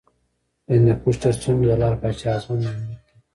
د هندوکش تر څنډو د لعل پاچا ازمون یونلیک دی